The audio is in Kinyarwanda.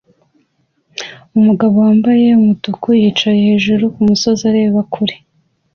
Umugabo wambaye umutuku yicaye hejuru yumusozi areba kure